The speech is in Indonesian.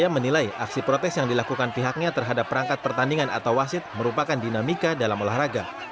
menilai aksi protes yang dilakukan pihaknya terhadap perangkat pertandingan atau wasit merupakan dinamika dalam olahraga